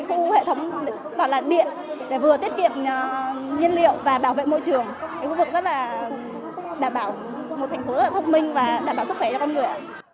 cái khu vực rất là đảm bảo một thành phố rất là thông minh và đảm bảo sức khỏe cho con người